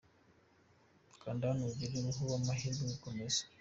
kanda hano ugire uwo uha amahirwe yo gukomeza!.